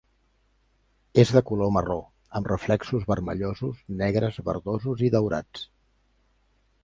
És de color marró amb reflexos vermellosos, negres, verdosos i daurats.